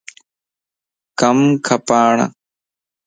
ڪنم ڪپاھڻ